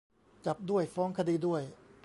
จับด้วย ฟ้องคดีด้วย